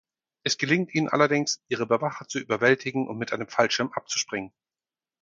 Es gelingt ihnen allerdings, ihre Bewacher zu überwältigen und mit einem Fallschirm abzuspringen.